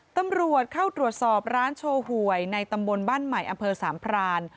ตำรวจเข้าตรวจสอบร้านโชว์หวยในตำบลบ้านใหม่อำเภอสามพราน